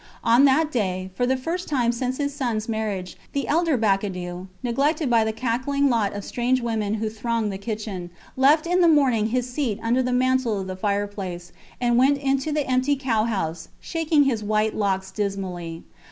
On that day, for the first time since his sons marriage, the elder Bacadou, neglected by the cackling lot of strange women who thronged the kitchen, left in the morning his seat under the mantel of the fireplace, and went into the empty cow house, shaking his white locks dismally.